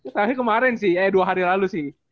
terakhir kemarin sih eh dua hari lalu sih